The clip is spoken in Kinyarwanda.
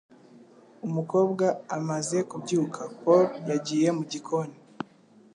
Umukobwa amaze kubyuka, Paul yagiye mu gikoni.